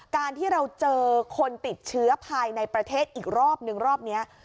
การที่เราเจอคนติดเชื้อภายในประเทศอีกรอบนึงรอบนี้